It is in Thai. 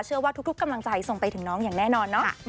เชื่อว่าทุกกำลังใจส่งไปถึงน้องอย่างแน่นอนเนาะ